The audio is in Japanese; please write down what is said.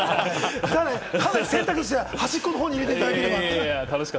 かなり選択肢としては端っこの方に入れておいていただければ。